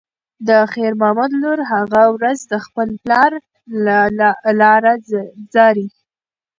د خیر محمد لور هره ورځ د خپل پلار لاره څاري.